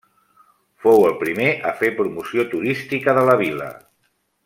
Fou el primer a fer promoció turística de la vila.